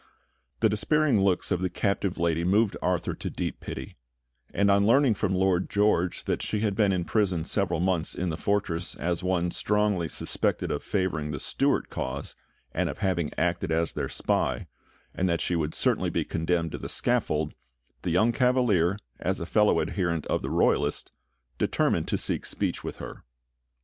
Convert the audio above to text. The despairing looks of the captive lady moved Arthur to deep pity; and on learning from Lord George that she had been imprisoned several months in the fortress as one strongly suspected of favouring the Stuart cause and of having acted as their spy, and that she would certainly be condemned to the scaffold, the young Cavalier, as a fellow adherent of the Royalists, determined to seek speech with her.